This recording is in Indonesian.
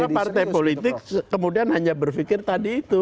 karena partai politik kemudian hanya berfikir tadi itu